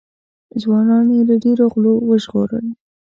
ځوانان یې له ډېرو غولو وژغورل.